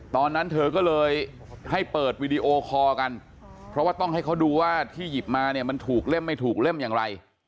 ตอนนั้นเธอก็เลยให้เปิดวีดีโอคอร์กันเพราะว่าต้องให้เขาดูว่าที่หยิบมาเนี่ยมันถูกเล่มไม่ถูกเล่มอย่างไร